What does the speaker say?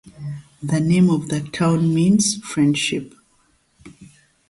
The name of the town means friendship.